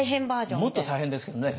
もっと大変ですけどね。